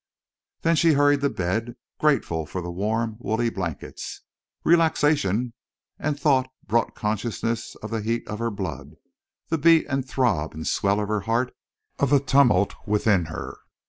Then she hurried to bed, grateful for the warm woolly blankets. Relaxation and thought brought consciousness of the heat of her blood, the beat and throb and swell of her heart, of the tumult within her.